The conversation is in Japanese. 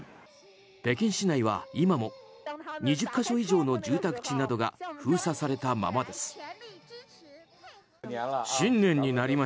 北京市内は今も２０か所以上の住宅地などが封鎖されたままです。